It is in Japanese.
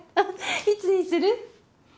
いつにする？